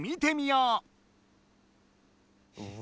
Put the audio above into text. うわ。